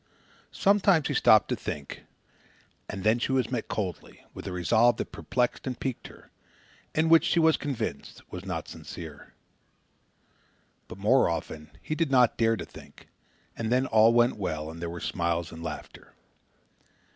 Sometimes he stopped to think, and then she was met coldly, with a resolve that perplexed and piqued her, and which, she was convinced, was not sincere. But more often he did not dare to think, and then all went well and there were smiles and laughter.